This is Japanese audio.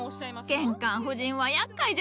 玄関夫人はやっかいじゃのう。